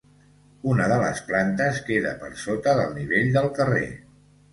Una de les plantes queda per sota del nivell del carrer.